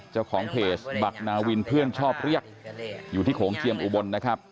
เจ้าของเพจบักนาวินเพื่อนชอบเรียกอยู่ที่โขงเจียมอุบลนะครับ